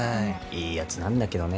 いいやつなんだけどね。